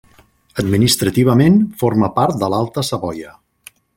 Administrativament forma part de l'Alta Savoia.